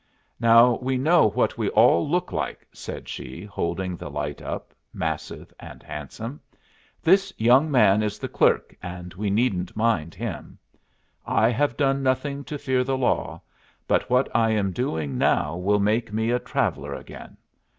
"Now we know what we all look like," said she, holding the light up, massive and handsome. "This young man is the clerk, and we needn't mind him. I have done nothing to fear the law, but what I am doing now will make me a traveller again.